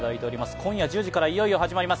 今夜１０時からいよいよ始まります